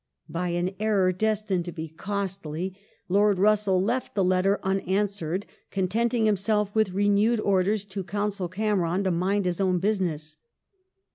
By an error destined to be costly, Lord Russell left the letter unanswered, contenting himself with renewed orders to Consul Cameron to mind his own business.